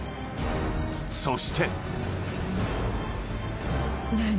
［そして］